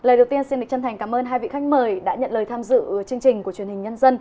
lời đầu tiên xin chân thành cảm ơn hai vị khách mời đã nhận lời tham dự chương trình của truyền hình nhân dân